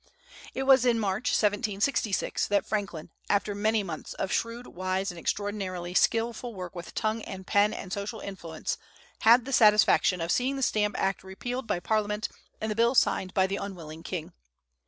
It was in March, 1766, that Franklin, after many months of shrewd, wise, and extraordinarily skilful work with tongue and pen and social influence, had the satisfaction of seeing the Stamp Act repealed by Parliament and the bill signed by the unwilling king.